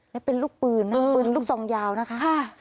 นี่เป็นลูกปืนนะปืนลูกซองยาวนะคะ